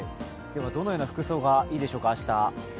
どのような服装がいいでしょうか、明日。